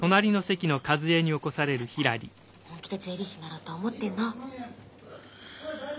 本気で税理士になろうと思ってんの？